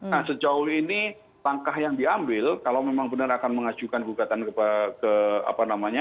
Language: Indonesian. nah sejauh ini langkah yang diambil kalau memang benar akan mengajukan gugatan ke apa namanya